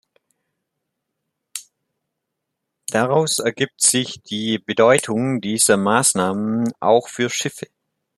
Daraus ergibt sich die Bedeutung dieser Maßnahmen auch für Schiffe.